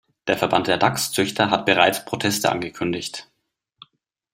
Der Verband der Dachszüchter hat bereits Proteste angekündigt.